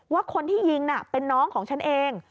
ว่าคนที่ยิงน่ะเป็นน้องของฉันเอง